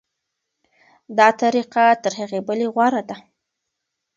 دا طریقه تر هغې بلې غوره ده.